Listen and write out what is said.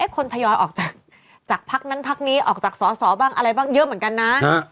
คนทยอยออกจากพักนั้นพักนี้ออกจากสอสอบ้างอะไรบ้างเยอะเหมือนกันนะ